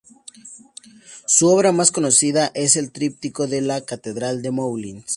Su obra más conocida es el tríptico de la catedral de Moulins.